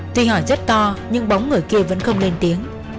tuy hỏi rất to nhưng bóng người kia vẫn không lên tiếng